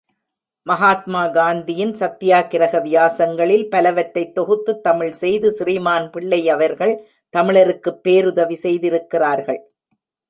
மகாத்மா காந்தியின் சத்யாகரக வியாசங்களில் பலவற்றைத்தொகுத்துத் தமிழ்செய்து ஸ்ரீமான் பிள்ளையவர்கள் தமிழருக்குப் பேருதவி செய்திருக்கிறார்கள்.